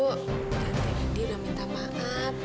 tante ini udah minta maaf